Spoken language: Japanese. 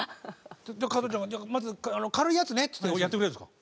加トちゃんがまず軽いやつねってやってくれるんですか？